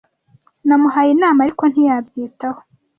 Namuhaye inama, ariko ntiyabyitaho.